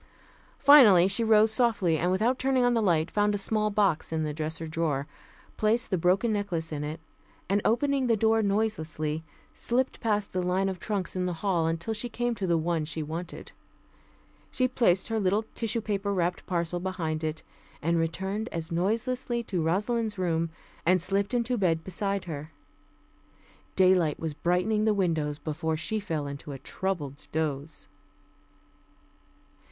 Finally she rose softly, and without turning on the light, found a small box in the dresser drawer, placed the broken necklace in it, and opening the door noiselessly, slipped past the line of trunks in the hall until she came to the one she wanted. She placed her little tissue paper wrapped parcel behind it, and returned as noiselessly to Rosalind's room, and slipped into bed beside her.... Daylight was brightening the windows before she fell into a troubled doze.